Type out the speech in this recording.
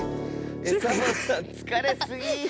サボさんつかれすぎ！